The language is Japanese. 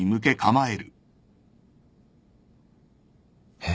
えっ？